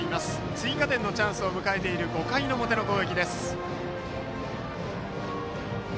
追加点のチャンスを迎えている５回表の攻撃です。